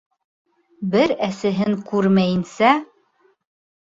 Бер әсеһен күрмәйенсә